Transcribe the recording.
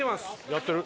やってる。